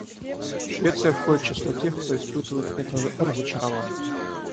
Швеция входит в число тех, кто испытывает это разочарование.